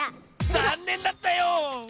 ざんねんだったよ！